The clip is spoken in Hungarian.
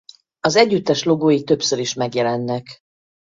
Az együttes logói többször is megjelennek.